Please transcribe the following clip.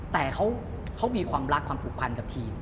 แต่เขามีความรักความผูกพันกับทีม